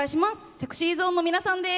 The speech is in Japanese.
ＳｅｘｙＺｏｎｅの皆さんです！